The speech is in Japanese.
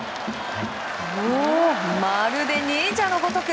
まるで忍者のごとく。